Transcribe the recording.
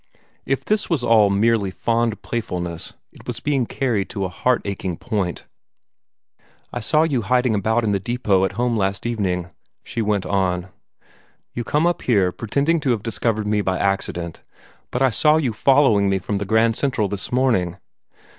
If this was all merely fond playfulness, it was being carried to a heart aching point. "I saw you hiding about in the depot at home last evening," she went on. "You come up here, pretending to have discovered me by accident, but I saw you following me from the Grand Central this morning."